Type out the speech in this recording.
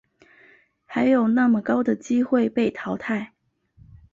还有那么高的机会被淘汰